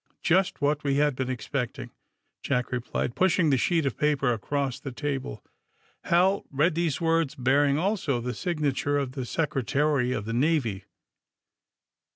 *' Just what we had been expecting, '' Jack re plied, pusliing the sheet of paper across the table. Hal read these words, bearing also the signa ture of the Secretary of the Navy.